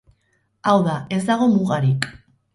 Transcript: Hau da, ez dago mugarik.